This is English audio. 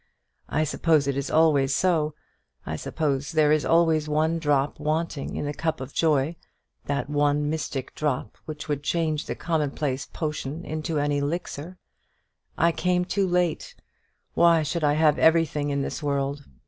I suppose it is always so; I suppose there is always one drop wanting in the cup of joy, that one mystic drop which would change the commonplace potion into an elixir. I came too late! Why should I have everything in this world?